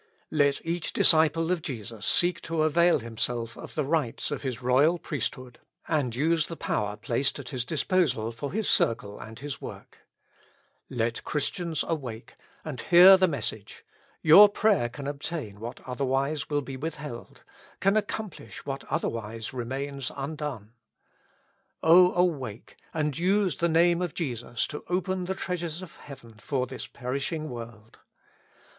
Let each disciple of Jesus seek to avail himself of the rights of his royal priesthood, and use the power placed at his disposal for his circle and his work. Let Christians awake and hear the message : your prayer can ob tain what otherwise will be withheld, can accomplish what otherwise remains undone. O awake, and use the name of Jesus to open the treasures of heaven for this perishing world.